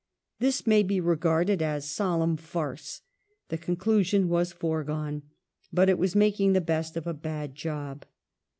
This may be regarded as solemn farce ; the conclusion was foregone ; but it was making the best of a bad job.